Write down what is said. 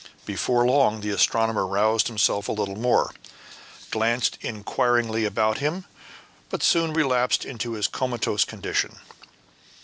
Before long the astronomer roused himself a little more, and glanced inquiringly about him, but soon relapsed into his comatose condition.